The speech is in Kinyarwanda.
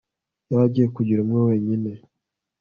yari agiye kugira umwe wenyine